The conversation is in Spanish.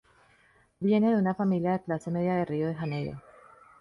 Viene de una familia de clase media de Río de Janeiro.